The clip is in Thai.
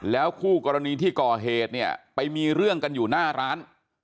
คู่กรณีที่ก่อเหตุเนี่ยไปมีเรื่องกันอยู่หน้าร้าน